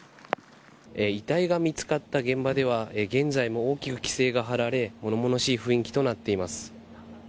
遺体が見つかった現場では現在も大きく規制が張られ物々しい雰囲気となっています。